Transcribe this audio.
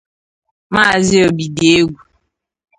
Maazị Obidiegwu